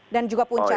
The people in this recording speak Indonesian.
dan juga puncak